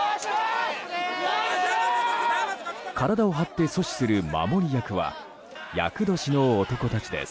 体を張って阻止する守り役は厄年の男たちです。